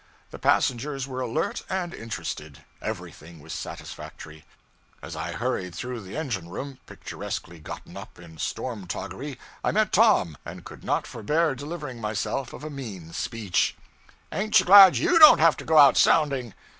The passengers were alert and interested; everything was satisfactory. As I hurried through the engine room, picturesquely gotten up in storm toggery, I met Tom, and could not forbear delivering myself of a mean speech 'Ain't you glad _you _don't have to go out sounding?'